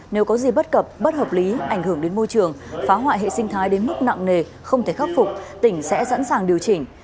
nếu có gì bất cập bất hợp lý ảnh hưởng đến môi trường phá hoại hệ sinh thái đến mức nặng nề không thể khắc phục tỉnh sẽ sẵn sàng điều chỉnh